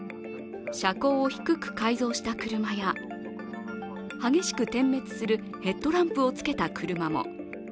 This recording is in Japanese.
車高を低く改造した車や激しく点滅するヘッドランプをつけた車も。